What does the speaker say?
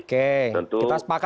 oke kita sepakat soal itu